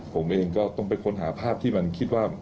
ผมเองก็ต้องไปค้นหาภาพที่มันคิดว่า